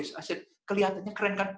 saya bilang kelihatannya keren kan